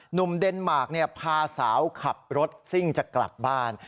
หนุ่มเดนมาร์คพาสาวขับรถซิ่งจะกลับบ้าน